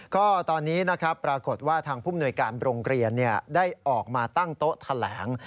ก็ตอนนี้ปรากฏว่าทางผู้บกกรองเรียนได้ออกมาตั้งโต๊ะแถลง